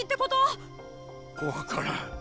分からん。